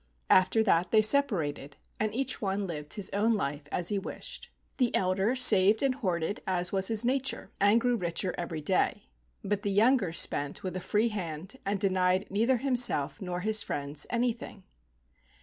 After that they separated, and each one lived his own life as he wished. The elder saved and hoarded as was his nature, and grew richer every day, but the younger spent with a free hand, and denied neither himself nor his friends any¬ thing.